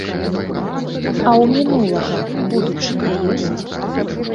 А ў мінулага будучыня ёсць?